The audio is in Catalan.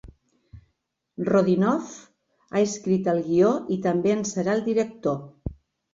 Rodionoff ha escrit el guió i també en serà el director.